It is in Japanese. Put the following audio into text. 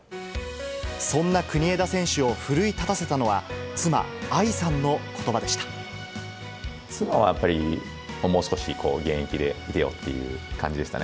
そんな国枝選手を奮い立たせたのは、妻、妻はやっぱり、もう少し現役でいてよっていう感じでしたね。